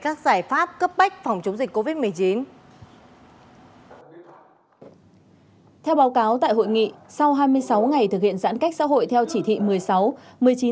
theo báo cáo tại hội nghị sau hai mươi sáu ngày thực hiện giãn cách xã hội theo chỉ thị một mươi sáu